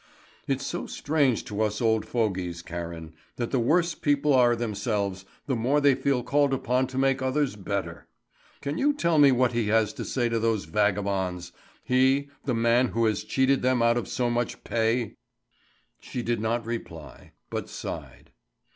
"It's so strange to us old fogies, Karen, that the worse people are themselves, the more they feel called upon to make others better. Can you tell me what he has to say to those vagabonds he, the man who has cheated them out of so much pay?" She did not reply, but sighed.